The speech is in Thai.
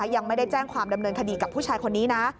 ยังไม่ได้แจ้งความดำเนินคดีกับผู้ชายคนนี้นะ